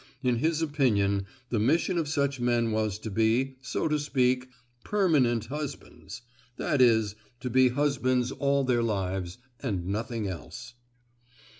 In his opinion the mission of such men was to be, so to speak, "permanent husbands,"—that is, to be husbands all their lives, and nothing else.